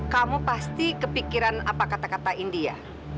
kamu pasti kepikiran apa kata kata indi ya